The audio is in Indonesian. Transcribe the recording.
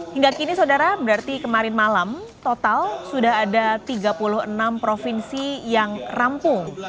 hingga kini saudara berarti kemarin malam total sudah ada tiga puluh enam provinsi yang rampung